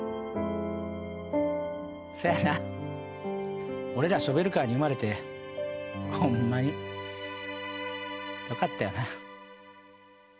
そやな俺らショベルカーに生まれてホンマによかったよな。